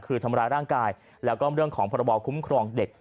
คือทำร้ายร่างกายแล้วก็เรื่องของพรบคุ้มครองเด็ก